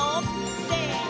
せの！